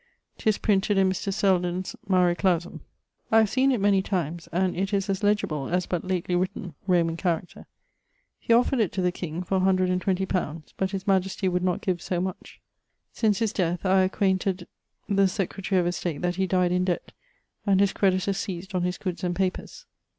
'Tis printed in Mr. Selden's Mare Clausum. I have seen it many times, and it is as legible as but lately written (Roman character). He offered it to the king for 120_li._ but his majesty would not give so much. Since his death, I acquainted the Secretary of Estate that he dyed in debt, and his creditors seised on his goods and papers.